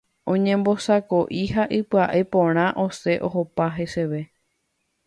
Oñembosako'i ha pya'e porã osẽ ohopa heseve.